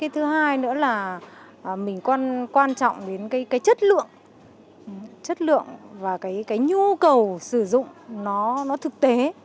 thứ hai nữa là mình quan trọng đến cái chất lượng chất lượng và cái nhu cầu sử dụng nó thực tế